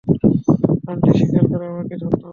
Aunty স্বীকার করে আমাকে ধন্য করবেন।